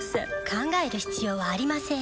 考える必要はありませーん